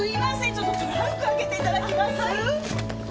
ちょっとトランク開けていただけます？